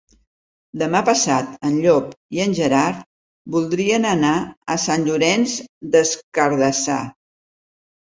Demà passat en Llop i en Gerard voldrien anar a Sant Llorenç des Cardassar.